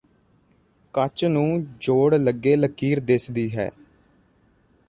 ਕੱਚ ਨੂੰ ਜੋੜ ਲੱਗੇ ਲਕੀਰ ਦਿੱਸਦੀ ਹੈ